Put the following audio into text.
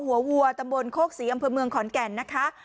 วัวตำบลโคกศรีอำเภอเมืองขอนแก่นนะคะ